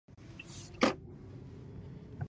هندوانه سور زړه لري.